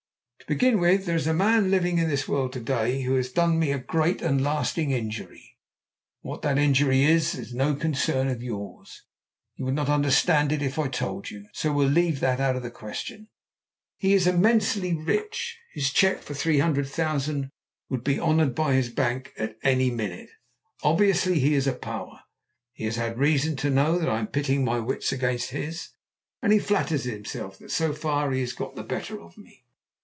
To begin with, there is a man living in this world to day who has done me a great and lasting injury. What that injury is is no concern of yours. You would not understand if I told you. So we'll leave that out of the question. He is immensely rich. His cheque for £300,000 would be honoured by his bank at any minute. Obviously he is a power. He has had reason to know that I am pitting my wits against his, and he flatters himself that so far he has got the better of me.